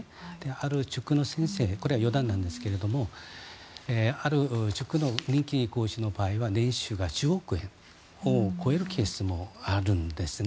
ある塾の先生これは余談なんですけどある塾の人気講師の場合は年収が１０億円を超えるケースもあるんですね。